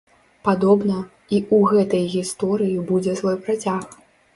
Падобна, і ў гэтай гісторыі будзе свой працяг.